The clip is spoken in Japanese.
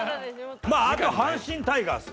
あと阪神タイガース。